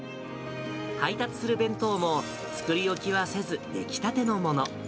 配達する弁当も作り置きはせず、出来たてのもの。